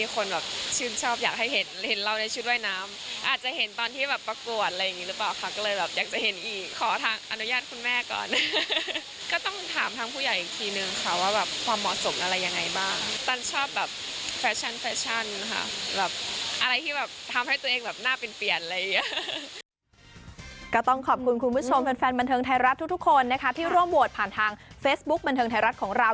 ก็ต้องขอบคุณคุณผู้ชมแฟนบันเทิงไทยรัฐทุกคนนะคะที่ร่วมโหวตผ่านทางเฟซบุ๊คบันเทิงไทยรัฐของเรา